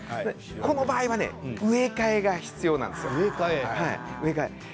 この場合は植え替えが必要なんですよ。